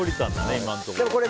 今のところは。